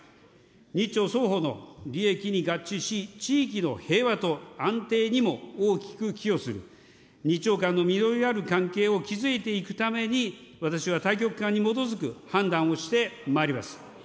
日朝双方の利益に合致し、地域の平和と安定にも大きく寄与する、日朝間の実りある関係を築いていくために、私は大局観に基づく判断をしてまいります。